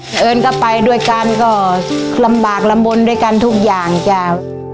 พี่ก็ไปด้วยกันลำบากละมนด้วยกันทุกอย่างจ้ะ